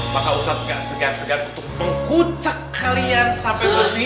maka ustadz gak segan segan untuk mengkucak kalian sampai mesir